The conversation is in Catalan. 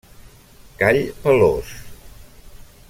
Call pelós.